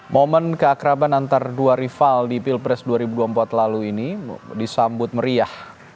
momen keakraban antara dua rival di pilpres dua ribu dua puluh empat lalu ini disambut meriah